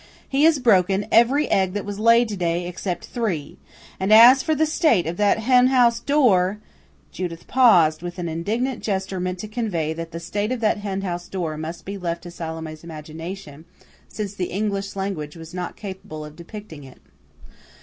"He has broken every egg that was laid to day except three. And as for the state of that henhouse door " Judith paused, with an indignant gesture meant to convey that the state of the henhouse door must be left to Salome's imagination, since the English language was not capable of depicting it.